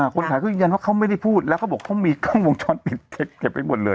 คนขายเครื่องยันว่าเขาไม่ได้พูดแล้วก็บอกเขามีกล้องวงช้อนปิดเก็บไปหมดเลย